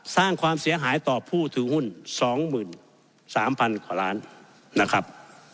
สร้างความเสียหายต่อผู้ถือหุ้น๒๓๐๐๐กว่าล้านนะครับ